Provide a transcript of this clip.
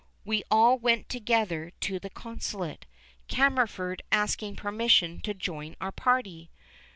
We all went together to the consulate, Cammerford asking permission to join our party.